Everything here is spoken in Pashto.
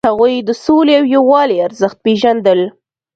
هغوی د سولې او یووالي ارزښت پیژندل.